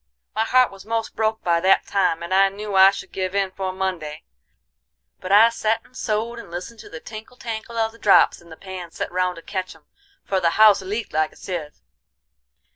"My heart was most broke by that time, and I knew I should give in 'fore Monday. But I set and sewed and listened to the tinkle tankle of the drops in the pans set round to ketch 'em, for the house leaked like a sieve.